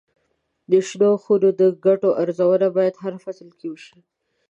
د شنو خونو د ګټو ارزونه باید هر فصل کې وشي.